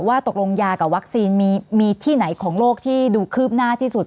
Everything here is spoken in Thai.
ว่าตกลงยากับวัคซีนมีที่ไหนของโลกที่ดูคืบหน้าที่สุด